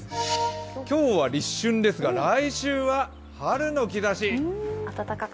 今日は立春ですが来週は春の兆し。